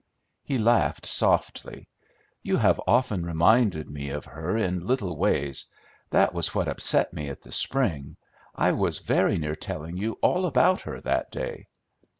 He laughed softly. "You have often reminded me of her in little ways: that was what upset me at the spring. I was very near telling you all about her that day."